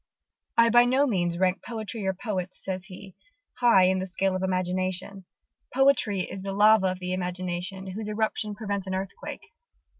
"I by no means rank poetry or poets," says he, "high in the scale of imagination. Poetry is the lava of the imagination, whose eruption prevents an earthquake.